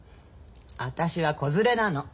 私は子連れなの。